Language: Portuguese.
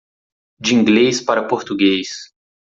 De Inglês para Português.